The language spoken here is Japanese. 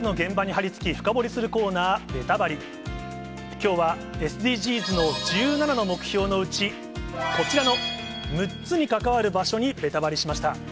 きょうはＳＤＧｓの１７の目標のうち、こちらの６つに関わる場所にベタバリしました。